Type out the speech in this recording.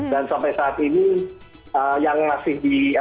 dan sampai saat ini